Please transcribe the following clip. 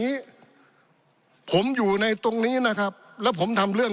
ปี๑เกณฑ์ทหารแสน๒